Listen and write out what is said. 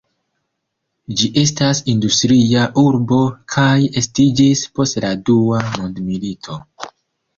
Ĝi estas industria urbo kaj estiĝis post la dua mondmilito.